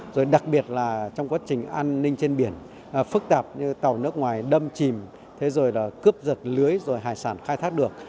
rồi đặc biệt là trong quá trình an ninh trên biển phức tạp như tàu nước ngoài đâm chìm cướp giật lưới rồi hải sản khai thác được